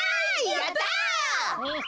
やった。